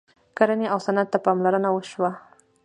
کرنې او صنعت ته پاملرنه وشوه.